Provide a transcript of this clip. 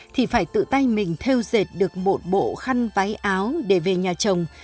thì phải tự tay mình theo dệt được một bộ khăn váy áo để về nhà chồng